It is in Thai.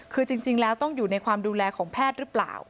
คือจริงแล้วต้องอยู่ในความดูแลของแพทย์หรือเปล่า